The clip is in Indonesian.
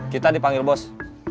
kita dipanggil bos